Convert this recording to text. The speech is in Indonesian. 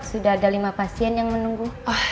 sudah ada lima pasien yang menunggu